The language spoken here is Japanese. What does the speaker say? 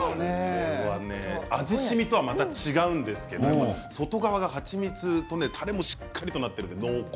味しみとはまた違うんですけれど外側が蜂蜜とたれもしっかりとなっているんで濃厚。